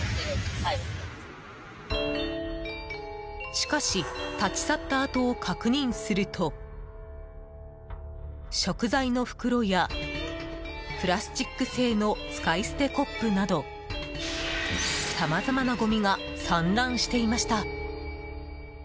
しかし、立ち去った跡を確認すると食材の袋やプラスチック製の使い捨てコップなどさまざまなごみが散乱していました。